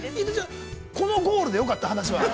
◆このゴールでよかった、話は。